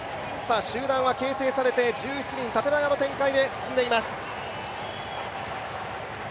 集団は形成されて１７人、縦長の展開で進んでいます。